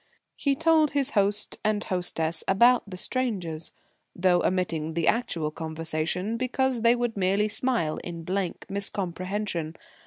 He told his host and hostess about the strangers, though omitting the actual conversation because they would merely smile in blank miscomprehension.